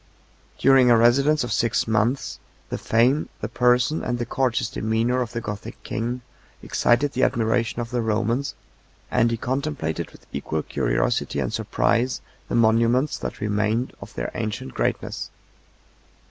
62 During a residence of six months, the fame, the person, and the courteous demeanor of the Gothic king, excited the admiration of the Romans, and he contemplated, with equal curiosity and surprise, the monuments that remained of their ancient greatness.